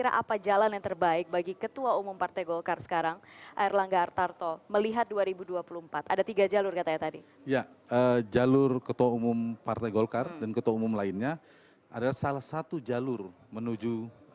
ya jalur ketua umum partai golkar dan ketua umum lainnya adalah salah satu jalur menuju dua ribu dua puluh empat